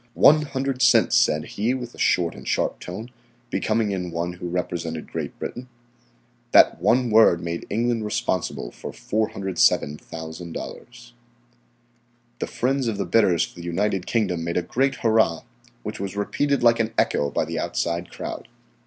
"One hundred cents," said he with a short and sharp tone, becoming in one who represented Great Britain. That one word made England responsible for $407,000. The friends of the bidders for the United Kingdom made a great hurrah, which was repeated like an echo by the outside crowd.